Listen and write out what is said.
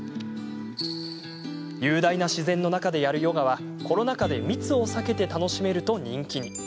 雄大な自然の中でやるヨガはコロナ禍で密を避けて楽しめると人気に。